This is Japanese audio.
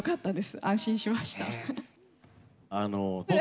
安心しました。